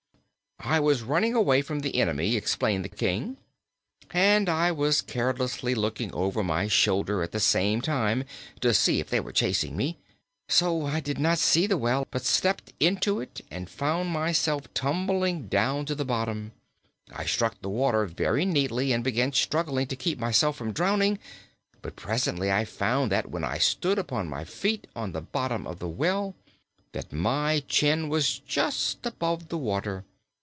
"I was running away from the enemy," explained the King, "and I was carelessly looking over my shoulder at the same time, to see if they were chasing me. So I did not see the well, but stepped into it and found myself tumbling down to the bottom. I struck the water very neatly and began struggling to keep myself from drowning, but presently I found that when I stood upon my feet on the bottom of the well, that my chin was just above the water.